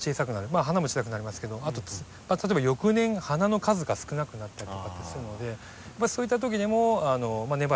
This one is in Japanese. まあ花も小さくなりますけどあと例えば翌年花の数が少なくなったりとかってするのでそういった時にも根鉢のざっくりカットを。